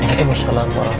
pak nino kita jalan sekarang